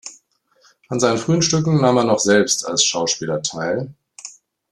An seinen frühen Stücken nahm er noch selbst als Schauspieler teil.